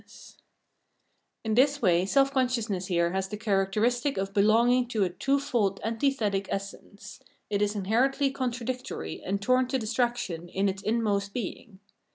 The Frenzy of Self conceit 363 In this way self consciousness here has the character istic of belonging to a twofold antithetic essence ; it is inherently contradictory and torn to distraction in its inmost being.